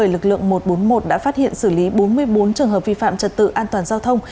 lực lượng một trăm bốn mươi một đã phát hiện xử lý bốn mươi bốn trường hợp vi phạm trật tự an toàn giao thông